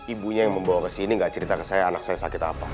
ibunya yang membawa ke sini gak cerita ke saya anak saya sakit apa